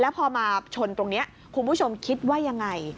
พอมาชนตรงนี้คุณผู้ชมคิดว่ายังไง